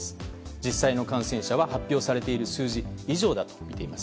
実際の感染者は発表されている数字以上だといいます。